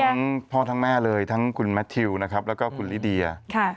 ทั้งพ่อทั้งแม่ทั้งคุณแมทิวและคุณลิเดีย